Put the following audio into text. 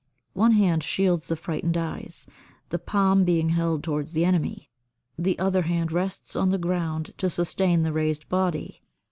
One hand shields the frightened eyes, the palm being held towards the enemy; the other [hand] rests on the ground to sustain the raised body.